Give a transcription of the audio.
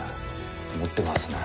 持ってますね！